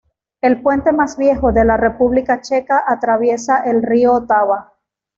El puente más viejo de la República Checa atraviesa el río Otava.